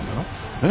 えっ？